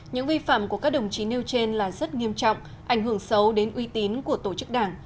những vi phạm của các đồng chí nêu trên là rất nghiêm trọng ảnh hưởng xấu đến uy tín của tổ chức đảng